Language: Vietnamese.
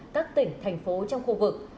các tỉnh thành phố trong khu vực